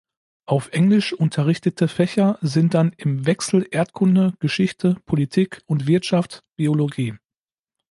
Auf Englisch unterrichtete Fächer sind dann im Wechsel Erdkunde, Geschichte, Politik und Wirtschaft, Biologie.